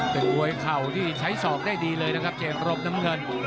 เป็นมวยเข่าที่ใช้ศอกได้ดีเลยนะครับเจนรมน้ำเงิน